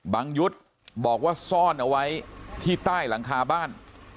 ยุทธ์บอกว่าซ่อนเอาไว้ที่ใต้หลังคาบ้าน